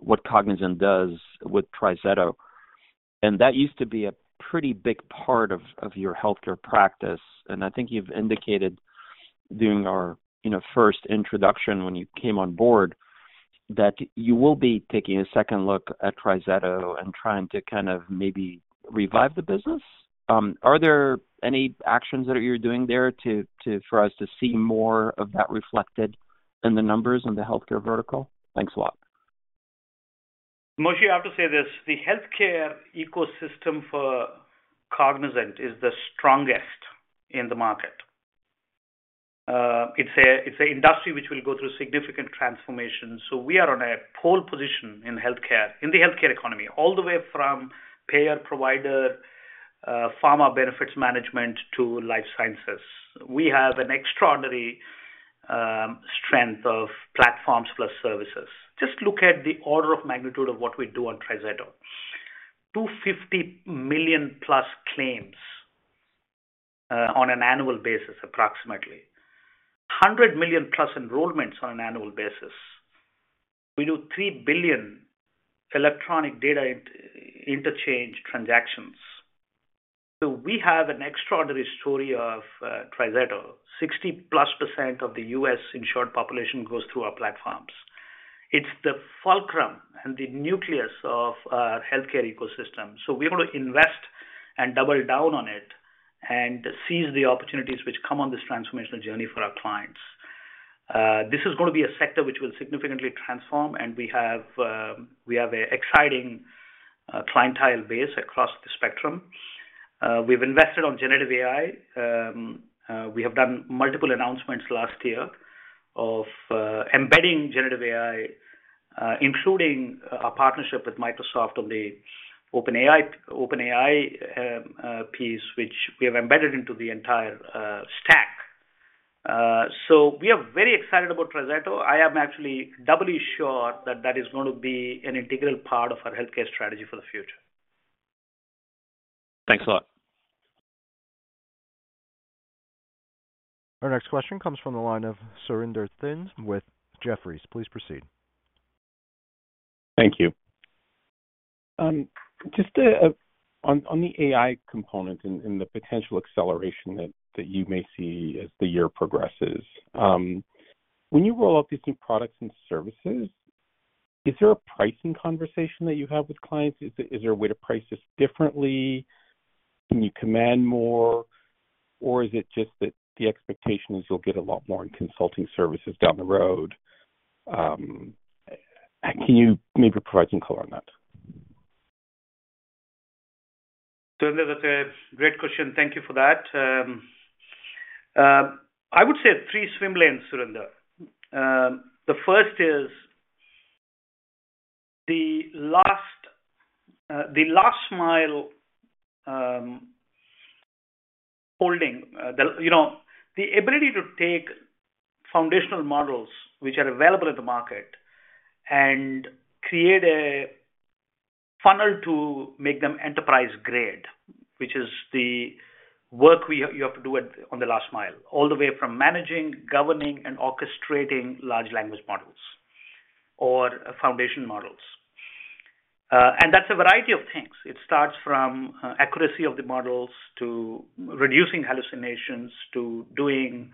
what Cognizant does with TriZetto, and that used to be a pretty big part of your healthcare practice. And I think you've indicated during our, you know, first introduction when you came on board that you will be taking a second look at TriZetto and trying to kind of maybe revive the business? Are there any actions that you're doing there to for us to see more of that reflected in the numbers in the healthcare vertical? Thanks a lot. Moshe, I have to say this, the healthcare ecosystem for Cognizant is the strongest in the market. It's an industry which will go through significant transformation. We are on a pole position in healthcare, in the healthcare economy, all the way from payer, provider, pharma benefits management, to life sciences. We have an extraordinary strength of platforms plus services. Just look at the order of magnitude of what we do on TriZetto. 250 million-plus claims on an annual basis, approximately. 100 million-plus enrollments on an annual basis. We do three billion electronic data interchange transactions. We have an extraordinary story of TriZetto. 60%+ of the U.S. insured population goes through our platforms. It's the fulcrum and the nucleus of our healthcare ecosystem. So we want to invest and double down on it and seize the opportunities which come on this transformational journey for our clients. This is going to be a sector which will significantly transform, and we have an exciting clientele base across the spectrum. We've invested on generative AI. We have done multiple announcements last year of embedding generative AI, including a partnership with Microsoft on the OpenAI piece, which we have embedded into the entire stack. So we are very excited about TriZetto. I am actually doubly sure that that is going to be an integral part of our healthcare strategy for the future. Thanks a lot. Our next question comes from the line of Surinder Thind with Jefferies. Please proceed. Thank you. Just, on the AI component and the potential acceleration that you may see as the year progresses. When you roll out these new products and services, is there a pricing conversation that you have with clients? Is there a way to price this differently? Can you command more, or is it just that the expectation is you'll get a lot more in consulting services down the road? Can you maybe provide some color on that? Surinder, that's a great question. Thank you for that. I would say three swim lanes, Surinder. The first is the last mile holding the, you know, the ability to take foundational models which are available at the market and create a funnel to make them enterprise-grade, which is the work you have to do on the last mile, all the way from managing, governing, and orchestrating large language models or foundation models. And that's a variety of things. It starts from accuracy of the models, to reducing hallucinations, to doing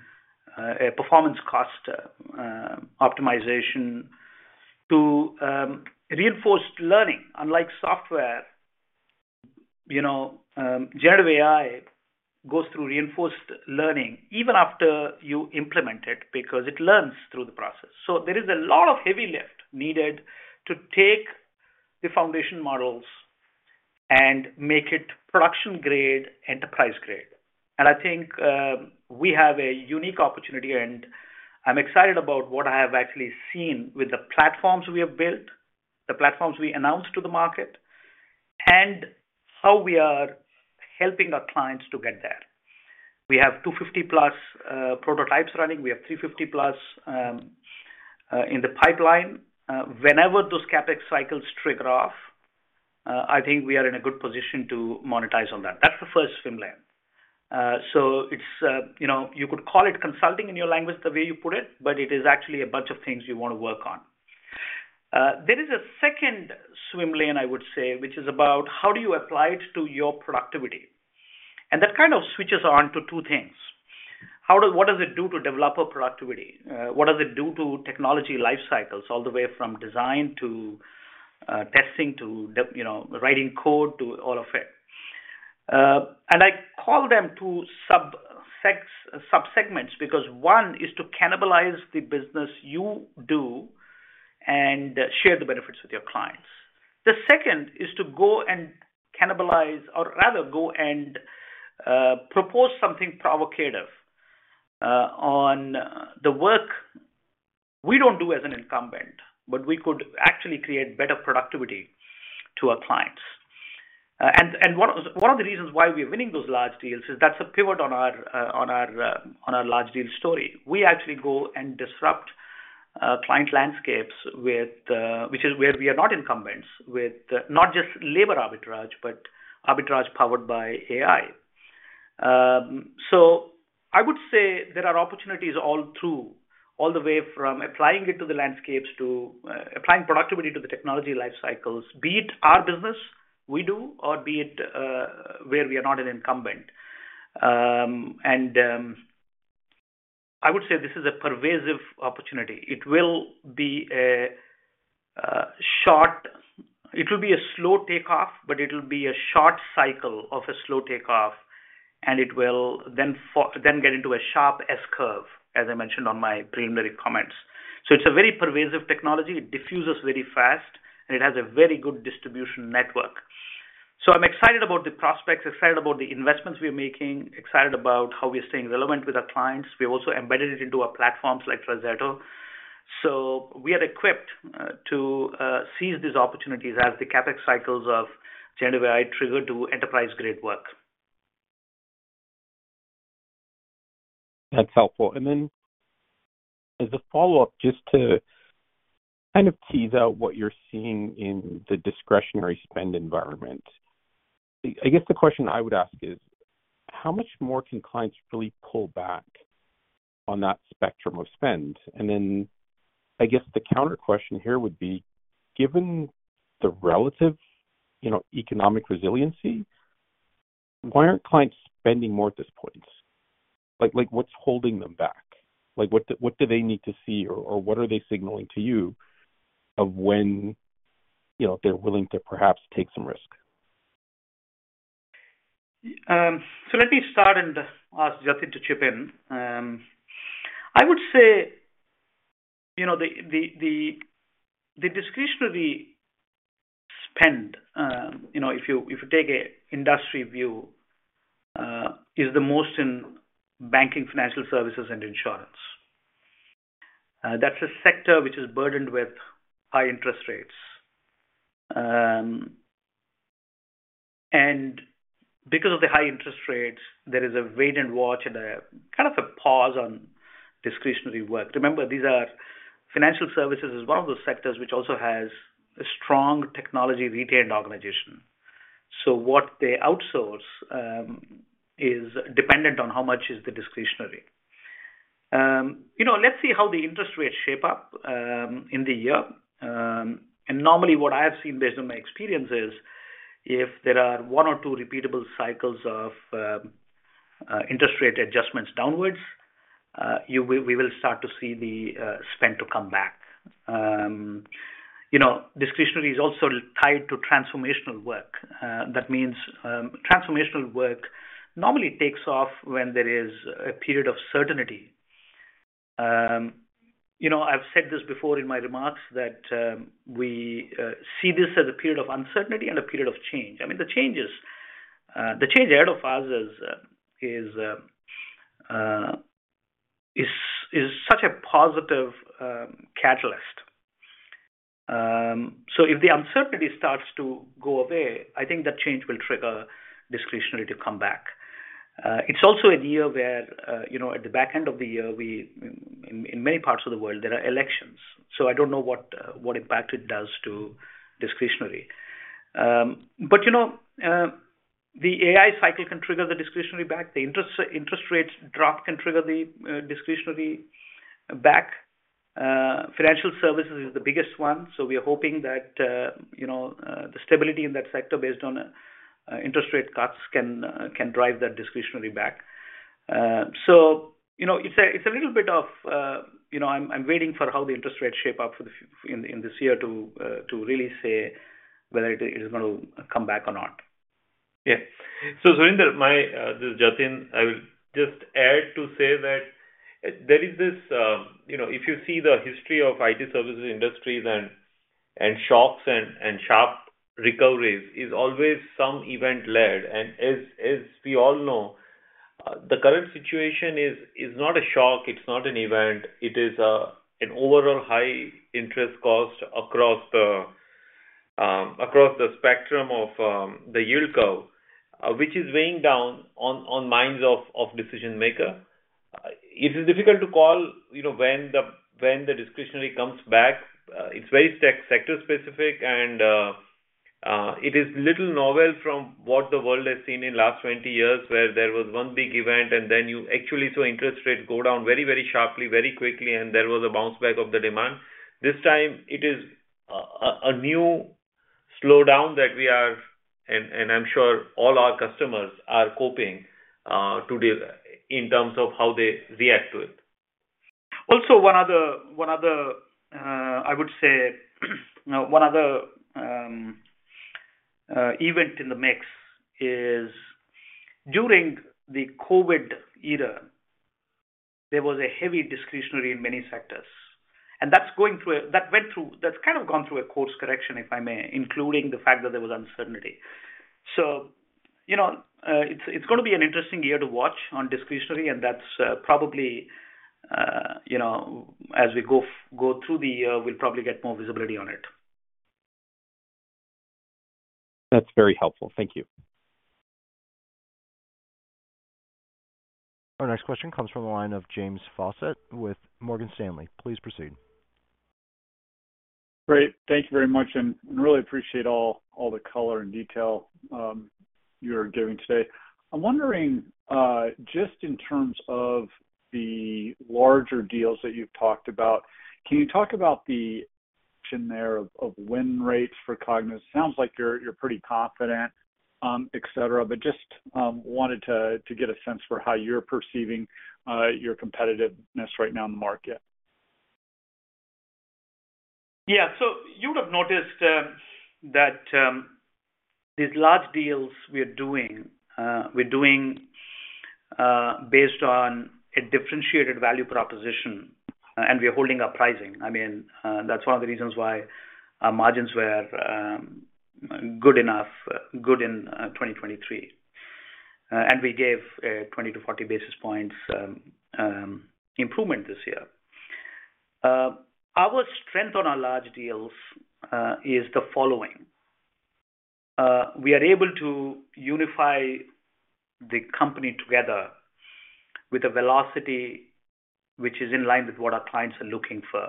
a performance cost optimization, to reinforced learning. Unlike software, you know, generative AI goes through reinforced learning even after you implement it, because it learns through the process. So there is a lot of heavy lift needed to take the foundation models and make it production-grade, enterprise-grade. And I think, we have a unique opportunity, and I'm excited about what I have actually seen with the platforms we have built, the platforms we announced to the market, and how we are helping our clients to get there. We have 250-plus prototypes running. We have 350-plus in the pipeline. Whenever those CapEx cycles trigger off, I think we are in a good position to monetize on that. That's the first swim lane. So it's, you know, you could call it consulting in your language, the way you put it, but it is actually a bunch of things you want to work on. There is a second swim lane, I would say, which is about how do you apply it to your productivity? And that kind of switches on to two things. What does it do to developer productivity? What does it do to technology life cycles, all the way from design to testing to dev, you know, writing code, to all of it? And I call them two subsegments, because one is to cannibalize the business you do and share the benefits with your clients. The second is to go and cannibalize, or rather go and propose something provocative on the work we don't do as an incumbent, but we could actually create better productivity to our clients. One of the reasons why we're winning those large deals is that's a pivot on our large deals story. We actually go and disrupt client landscapes with, which is where we are not incumbents, with not just labor arbitrage, but arbitrage powered by AI. So I would say there are opportunities all through, all the way from applying it to the landscapes to applying productivity to the technology life cycles, be it our business we do, or be it where we are not an incumbent. I would say this is a pervasive opportunity. It will be a short—it will be a slow takeoff, but it'll be a short cycle of a slow takeoff, and it will then get into a sharp S-curve, as I mentioned on my preliminary comments. So it's a very pervasive technology. It diffuses very fast, and it has a very good distribution network. So I'm excited about the prospects, excited about the investments we are making, excited about how we are staying relevant with our clients. We also embedded it into our platforms like TriZetto. So we are equipped to seize these opportunities as the CapEx cycles of generative AI trigger to enterprise-grade work. That's helpful. Then, as a follow-up, just to kind of tease out what you're seeing in the discretionary spend environment. I guess the question I would ask is: how much more can clients really pull back on that spectrum of spend? And then I guess the counter question here would be: given the relative, you know, economic resiliency, why aren't clients spending more at this point? Like, like, what's holding them back? Like, what do, what do they need to see, or, or what are they signaling to you of when, you know, they're willing to perhaps take some risk? So let me start and ask Jatin to chip in. I would say, you know, the discretionary spend, you know, if you take a industry view, is the most in banking, financial services, and insurance. That's a sector which is burdened with high interest rates. And because of the high interest rates, there is a wait and watch and a kind of a pause on discretionary work. Remember, these are financial services is one of those sectors which also has a strong technology, retail, and organization. So what they outsource is dependent on how much is the discretionary. You know, let's see how the interest rates shape up in the year. And normally what I have seen based on my experience is, if there are one or two repeatable cycles of interest rate adjustments downwards, you will—we will start to see the spend to come back. You know, discretionary is also tied to transformational work. That means, transformational work normally takes off when there is a period of certainty. You know, I've said this before in my remarks that we see this as a period of uncertainty and a period of change. I mean, the changes, the change ahead of us is such a positive catalyst. So if the uncertainty starts to go away, I think that change will trigger discretionary to come back. It's also a year where, you know, at the back end of the year, in many parts of the world, there are elections, so I don't know what impact it does to discretionary. But, you know, the AI cycle can trigger the discretionary back. The interest rates drop can trigger the discretionary back. Financial services is the biggest one, so we are hoping that, you know, the stability in that sector based on interest rate cuts can drive that discretionary back. So, you know, it's a little bit of, you know, I'm waiting for how the interest rates shape up in this year to really say whether it is gonna come back or not. Yeah. So, Surinder, my... This is Jatin. I will just add to say that there is this, you know, if you see the history of IT services industries and shocks and sharp recoveries is always some event-led. And as we all know, the current situation is not a shock, it's not an event. It is an overall high interest cost across the across the spectrum of the yield curve, which is weighing down on minds of decision-maker. It is difficult to call, you know, when the discretionary comes back. It's very sector specific and it is little novel from what the world has seen in last 20 years, where there was one big event, and then you actually saw interest rates go down very, very sharply, very quickly, and there was a bounce back of the demand. This time it is a new slowdown that we are and I'm sure all our customers are coping today in terms of how they react to it. Also, one other event in the mix is during the COVID era, there was a heavy discretionary in many sectors, and that's kind of gone through a course correction, if I may, including the fact that there was uncertainty. So, you know, it's gonna be an interesting year to watch on discretionary, and that's probably, you know, as we go through the year, we'll probably get more visibility on it. That's very helpful. Thank you. Our next question comes from the line of James Faucette with Morgan Stanley. Please proceed. Great. Thank you very much, and really appreciate all the color and detail you're giving today. I'm wondering, just in terms of the larger deals that you've talked about, can you talk about their win rates for Cognizant. Sounds like you're pretty confident, et cetera. But just wanted to get a sense for how you're perceiving your competitiveness right now in the market. Yeah. So you would have noticed that these large deals we are doing based on a differentiated value proposition, and we are holding our pricing. I mean, that's one of the reasons why our margins were good enough - good in 2023. And we gave a 20-40 basis points improvement this year. Our strength on our large deals is the following. We are able to unify the company together with a velocity which is in line with what our clients are looking for.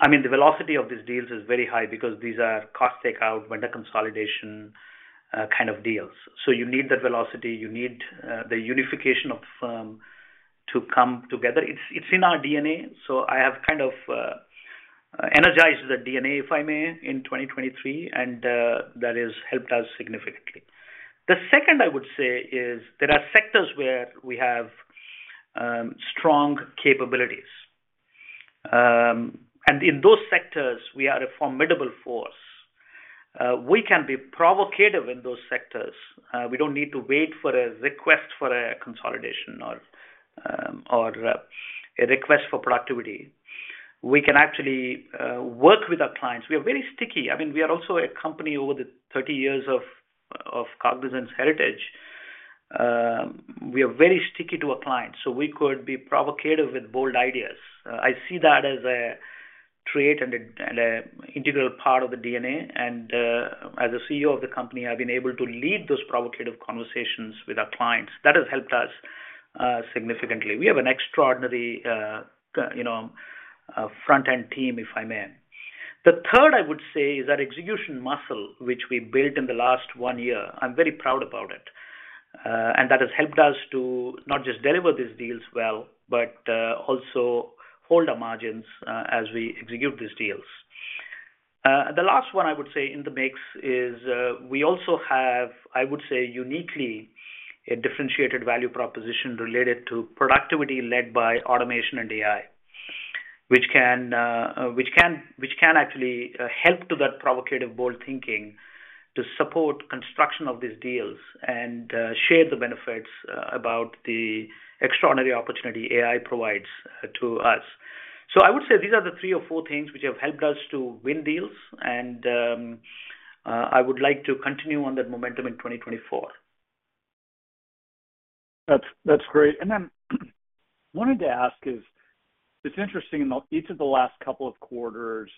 I mean, the velocity of these deals is very high because these are cost takeout, vendor consolidation kind of deals. So you need that velocity, you need the unification of firm to come together. It's in our DNA, so I have kind of energized the DNA, if I may, in 2023, and that has helped us significantly. The second I would say is there are sectors where we have strong capabilities. And in those sectors, we are a formidable force. We can be provocative in those sectors. We don't need to wait for a request for a consolidation or a request for productivity. We can actually work with our clients. We are very sticky. I mean, we are also a company over the 30 years of Cognizant's heritage. We are very sticky to our clients, so we could be provocative with bold ideas. I see that as a trait and an integral part of the DNA. As a CEO of the company, I've been able to lead those provocative conversations with our clients. That has helped us significantly. We have an extraordinary, you know, front-end team, if I may. The third, I would say, is our execution muscle, which we built in the last one year. I'm very proud about it. And that has helped us to not just deliver these deals well, but also hold our margins as we execute these deals. The last one I would say in the mix is, we also have, I would say, uniquely a differentiated value proposition related to productivity led by automation and AI. Which can actually help to that provocative, bold thinking to support construction of these deals and share the benefits about the extraordinary opportunity AI provides to us. So I would say these are the three or four things which have helped us to win deals, and I would like to continue on that momentum in 2024. That's, that's great. And then wanted to ask is, it's interesting in each of the last couple of quarters,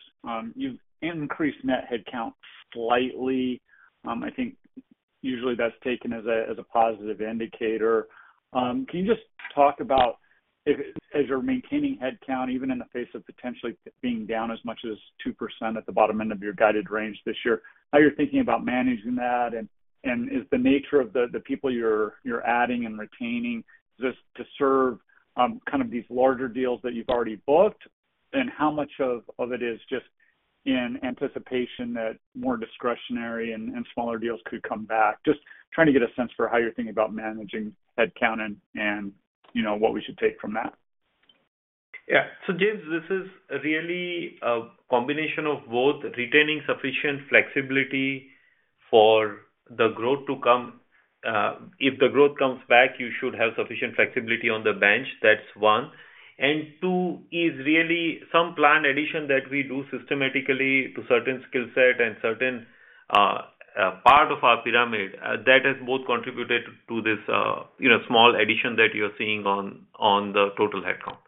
you've increased net headcount slightly. I think usually that's taken as a, as a positive indicator. Can you just talk about if as you're maintaining headcount, even in the face of potentially being down as much as 2% at the bottom end of your guided range this year, how you're thinking about managing that? And, and is the nature of the, the people you're, you're adding and retaining just to serve, kind of these larger deals that you've already booked? And how much of, of it is just in anticipation that more discretionary and, and smaller deals could come back? Just trying to get a sense for how you're thinking about managing headcount and, and, you know, what we should take from that. Yeah. So, James, this is really a combination of both retaining sufficient flexibility for the growth to come. If the growth comes back, you should have sufficient flexibility on the bench. That's one. And two is really some plan addition that we do systematically to certain skill set and certain, part of our pyramid. That has both contributed to this, you know, small addition that you're seeing on the total headcount.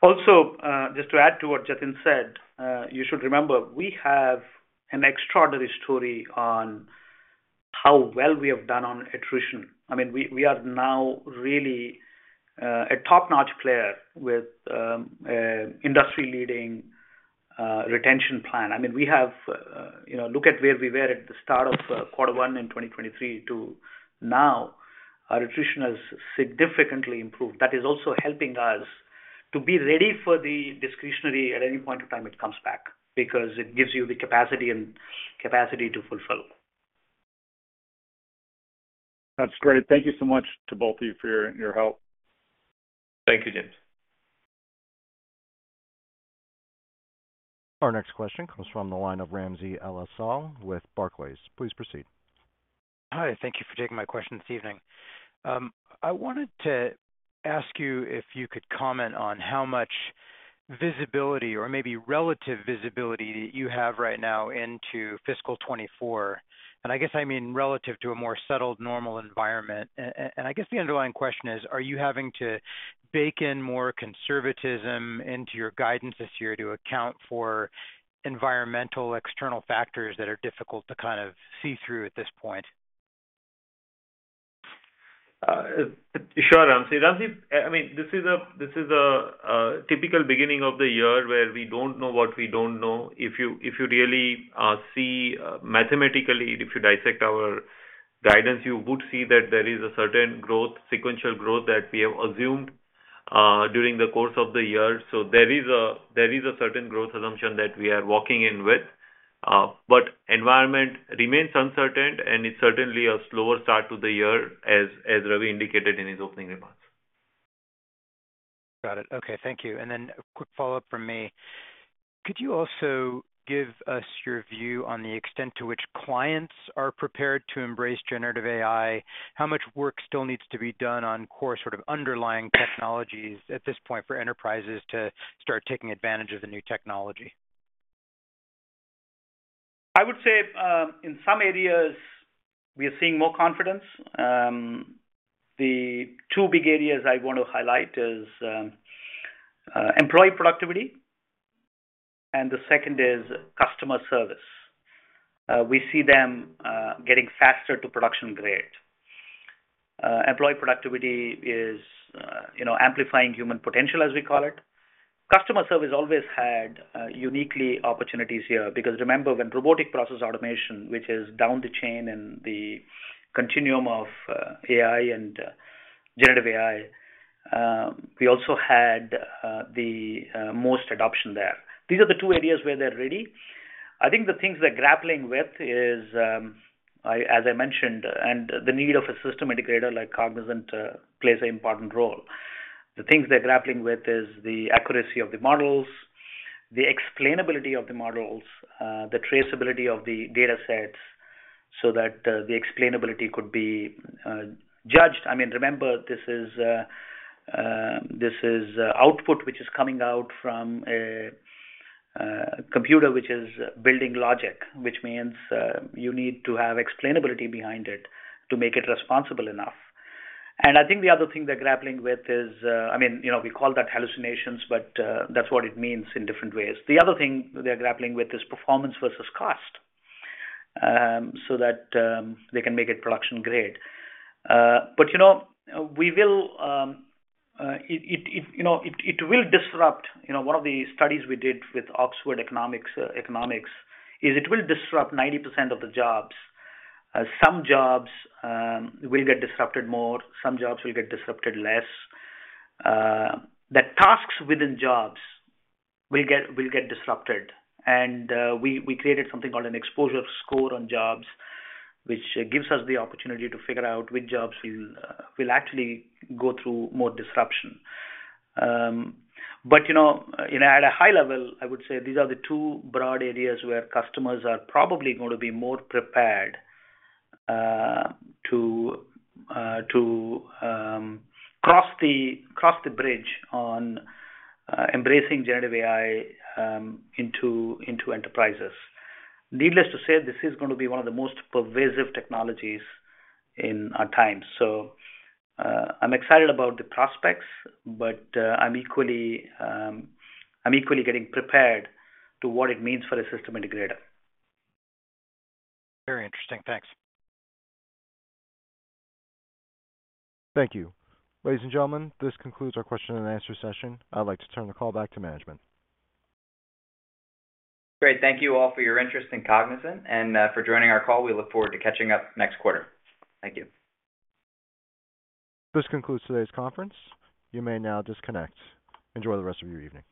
Also, just to add to what Jatin said, you should remember, we have an extraordinary story on how well we have done on attrition. I mean, we are now really a top-notch player with a industry-leading retention plan. I mean, we have, you know... Look at where we were at the start of quarter one in 2023 to now. Our attrition has significantly improved. That is also helping us to be ready for the discretionary at any point in time it comes back, because it gives you the capacity to fulfill. That's great. Thank you so much to both of you for your help. Thank you, James. Our next question comes from the line of Ramsey El-Assal with Barclays. Please proceed. Hi, thank you for taking my question this evening. I wanted to ask you if you could comment on how much visibility or maybe relative visibility you have right now into fiscal 2024. And, I guess the underlying question is: Are you having to bake in more conservatism into your guidance this year to account for environmental external factors that are difficult to kind of see through at this point? Sure, Ramsey. Ramsey, I mean, this is a typical beginning of the year where we don't know what we don't know. If you really see mathematically, if you dissect our guidance, you would see that there is a certain growth, sequential growth, that we have assumed during the course of the year. So there is a certain growth assumption that we are walking in with. But environment remains uncertain, and it's certainly a slower start to the year, as Ravi indicated in his opening remarks. Got it. Okay, thank you. And then a quick follow-up from me. Could you also give us your view on the extent to which clients are prepared to embrace generative AI? How much work still needs to be done on core sort of underlying technologies at this point for enterprises to start taking advantage of the new technology? I would say, in some areas, we are seeing more confidence. The two big areas I want to highlight is, employee productivity, and the second is customer service. We see them, getting faster to production grade. Employee productivity is, you know, amplifying human potential, as we call it. Customer service always had, unique opportunities here, because remember, when robotic process automation, which is down the chain in the continuum of, AI and generative AI, we also had, the, most adoption there. These are the two areas where they're ready. I think the things they're grappling with is, as I mentioned, and the need of a system integrator like Cognizant, plays an important role. The things they're grappling with is the accuracy of the models, the explainability of the models, the traceability of the data sets so that, the explainability could be, judged. I mean, remember, this is, this is output, which is coming out from a, computer, which is building logic, which means, you need to have explainability behind it to make it responsible enough. And I think the other thing they're grappling with is, I mean, you know, we call that hallucinations, but, that's what it means in different ways. The other thing they're grappling with is performance versus cost, so that, they can make it production-grade. But you know, we will, you know, it will disrupt... You know, one of the studies we did with Oxford Economics is it will disrupt 90% of the jobs. Some jobs will get disrupted more, some jobs will get disrupted less. The tasks within jobs will get disrupted. We created something called an exposure score on jobs, which gives us the opportunity to figure out which jobs will actually go through more disruption. But you know, at a high level, I would say these are the two broad areas where customers are probably going to be more prepared to cross the bridge on embracing generative AI into enterprises. Needless to say, this is going to be one of the most pervasive technologies in our time. I'm excited about the prospects, but, I'm equally, I'm equally getting prepared to what it means for a system integrator. Very interesting. Thanks. Thank you. Ladies and gentlemen, this concludes our question and answer session. I'd like to turn the call back to management. Great. Thank you all for your interest in Cognizant and for joining our call. We look forward to catching up next quarter. Thank you. This concludes today's conference. You may now disconnect. Enjoy the rest of your evening.